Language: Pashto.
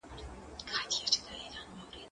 مېوې د مور له خوا راټولې کيږي!؟